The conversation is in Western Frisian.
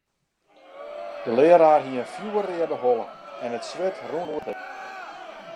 De learaar hie in fjoerreade holle en it swit rûn him oer it antlit.